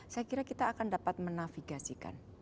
saya kira kita akan dapat menafigasikan